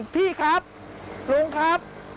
พี่ครับลุงครับ